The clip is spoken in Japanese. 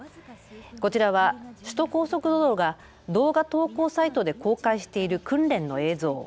こちらは首都高速道路が動画投稿サイトで公開している訓練の映像。